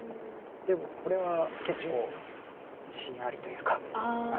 でもこれは結構自信ありというか。